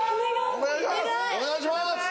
お願いします